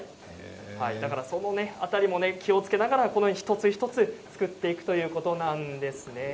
その辺りも気をつけながら一つ一つ作っていくということなんです。